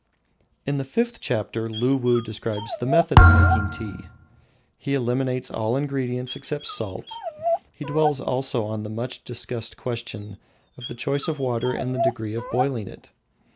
In the fifth chapter Luwuh describes the method of making tea. He eliminates all ingredients except salt. He dwells also on the much discussed question of the choice of water and the degree of boiling it.